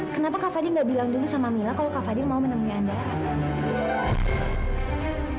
kenapa kak fadil nggak bilang dulu sama mila kalau kak fadil mau menemui anda